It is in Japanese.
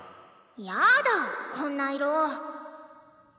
やだーこんな色ー！